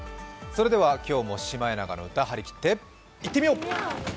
それでは今日もシマエナガの歌、張り切っていってみよう。